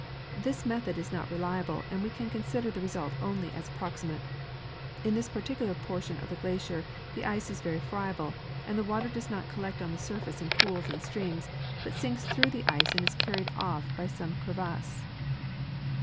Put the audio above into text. This method is not reliable, and we can consider the result as only approximate. In this particular portion of the glacier the ice is very friable, and the water does not collect on the surface in pools and streams, but sinks through the ice and is carried off by some crevasse.